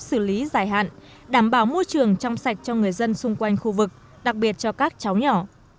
xử lý dài hạn đảm bảo môi trường trong sạch cho người dân xung quanh khu vực đặc biệt cho các cháu nhỏ